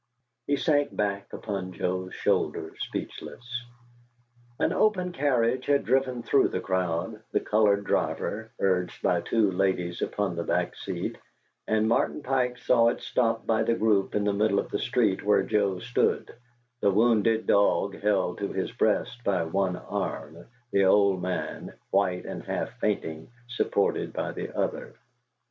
He sank back upon Joe's shoulder, speechless. An open carriage had driven through the crowd, the colored driver urged by two ladies upon the back seat, and Martin Pike saw it stop by the group in the middle of the street where Joe stood, the wounded dog held to his breast by one arm, the old man, white and half fainting, supported by the other.